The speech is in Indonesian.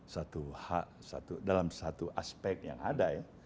satu hak dalam satu aspek yang ada ya